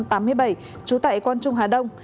trú tại quan trung hà đông